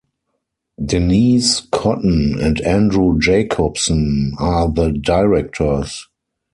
Denise Cotton and Andrew Jacobsen are the directors.